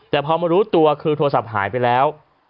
แต่พอมารู้ตัวคือโทรศัพท์หายไปแล้ว